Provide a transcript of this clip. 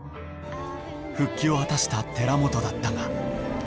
復帰を果たした寺本だったが。